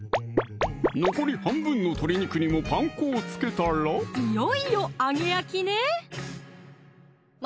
残り半分の鶏肉にもパン粉を付けたらいよいよ揚げ焼きねー！